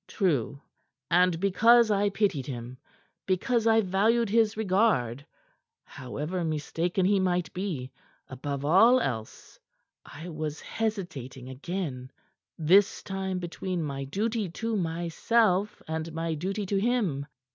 "True. And because I pitied him, because I valued his regard however mistaken he might be above all else, I was hesitating again this time between my duty to myself and my duty to him.